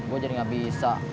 gue jadi ngga bisa